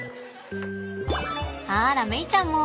あらメイちゃんも。